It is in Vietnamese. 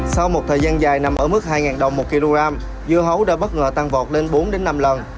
sau một thời gian dài nằm ở mức hai đồng một kg dưa hấu đã bất ngờ tăng vọt lên bốn năm lần